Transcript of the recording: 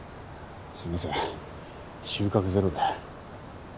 すみません収穫ゼロで。